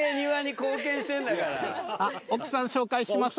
あっ奥さん紹介します。